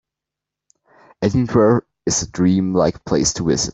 Edinburgh is a dream-like place to visit.